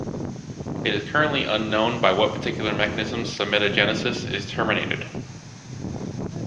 It is currently unknown by what particular mechanism somitogenesis is terminated.